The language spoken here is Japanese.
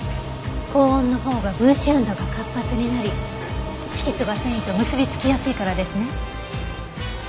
高温のほうが分子運動が活発になり色素が繊維と結びつきやすいからですね。